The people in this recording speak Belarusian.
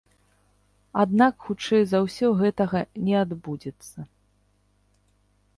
Аднак хутчэй за ўсё гэтага не адбудзецца.